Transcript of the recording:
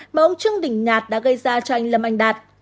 mà ông trương đình nhạt đã gây ra cho anh lâm anh đạt